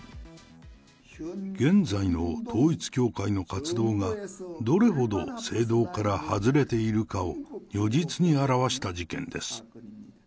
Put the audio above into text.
現在の統一教会の活動が、どれほど正道から外れているかを、如実に表した事件です。